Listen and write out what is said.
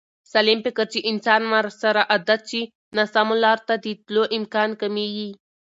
. سالم فکر چې انسان ورسره عادت شي، ناسمو لارو ته د تلو امکان کمېږي.